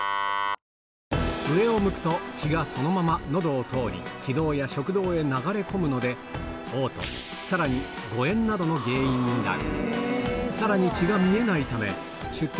上を向くと血がそのままのどを通り、気道や食道へ流れ込むので、おう吐、さらに誤嚥などの原因になる。